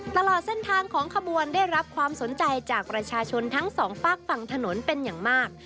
ตลอดเส้นทางของขบวนได้รับความสนใจจากประชาชนทั้งสองฝากฝั่งถนนเป็นอย่างมาก